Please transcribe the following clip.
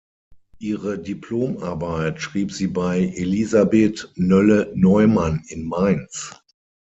Ihre Diplom-Arbeit schrieb sie bei Elisabeth Noelle-Neumann in Mainz.